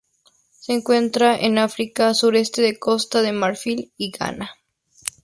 Se encuentran en África: sureste de Costa de Marfil y Ghana.